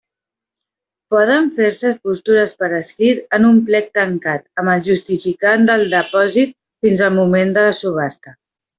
Poden fer-se postures per escrit en un plec tancat, amb el justificant del depòsit, fins al moment de la subhasta.